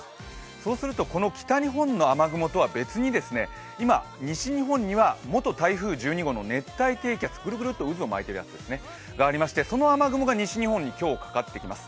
そうするとこの北日本の雨雲とは別に、今、西日本には元台風１２号の熱帯低気圧、ぐるぐるっと渦を巻いているやつですね、がありまして、その雨雲が西日本に今日、かかってきます。